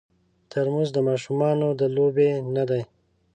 ترموز د ماشومانو د لوبې نه دی.